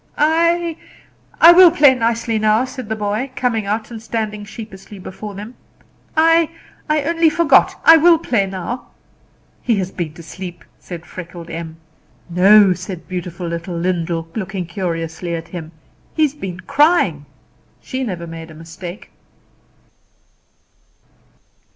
"I I will play nicely now," said the boy, coming out and standing sheepishly before them; "I I only forgot; I will play now." "He has been to sleep," said freckled Em. "No," said beautiful little Lyndall, looking curiously at him: "he has been crying." She never made a mistake.